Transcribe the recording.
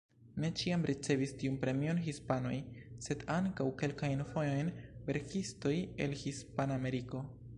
Ne ĉiam ricevis tiun premion hispanoj, sed ankaŭ kelkajn fojojn verkistoj el Hispanameriko.